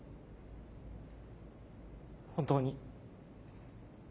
本当に。